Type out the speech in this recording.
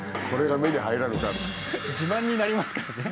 自慢になりますからね。